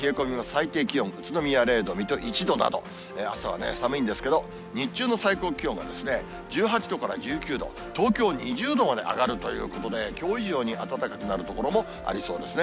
最低気温、宇都宮０度、水戸１度など、朝はね、寒いんですけど、日中の最高気温が１８度から１９度、東京２０度まで上がるということで、きょう以上に暖かくなる所もありそうですね。